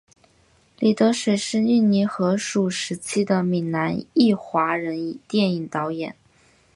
李德水是印尼荷属时期的闽南裔华人电影导演。